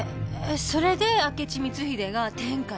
それで明智光秀が天海？